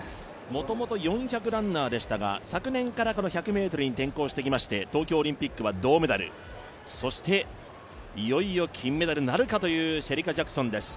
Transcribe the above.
もともと４００ランナーでしたが、昨年から１００ｍに転向してきまして東京オリンピックは銅メダル、そしていよいよ金メダルなるかという、シェリカ・ジャクソンです。